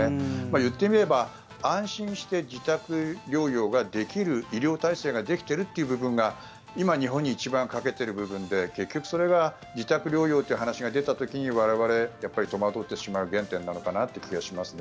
言ってみれば安心して自宅療養ができる医療体制ができている部分が今、日本に一番欠けている部分で結局それが自宅療養という話が出た時に我々、やっぱり戸惑ってしまう原点なのかなと思いますね。